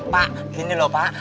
pak gini loh pak